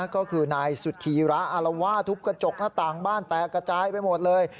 ก็คือนายสุธีระอารวาทุบกระจกหน้าต่างบ้านแตกกระจายไปหมดเลย